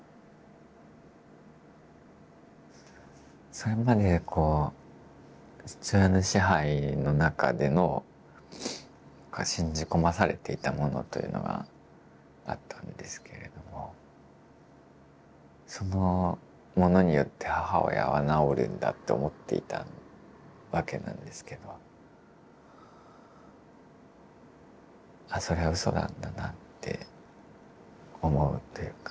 それまでこう父親の支配の中での信じ込まされていたものというのがあったんですけれどもそのものによって母親は治るんだと思っていたわけなんですけどそれはうそなんだなって思うというか。